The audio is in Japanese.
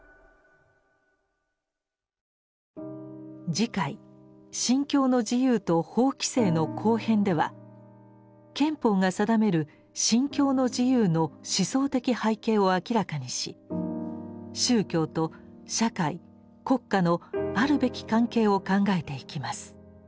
次回「『信教の自由』と法規制」の後編では憲法が定める「信教の自由」の思想的背景を明らかにし宗教と社会国家のあるべき関係を考えていきます。